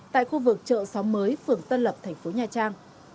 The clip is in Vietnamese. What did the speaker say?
tại khu vực chợ xóm mới phường tân lập thành phố nha trang